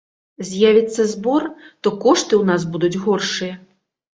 З'явіцца збор, то кошты ў нас будуць горшыя.